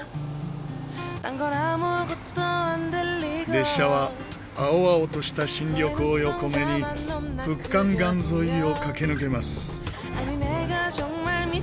列車は青々とした新緑を横目に北漢江沿いを駆け抜けます。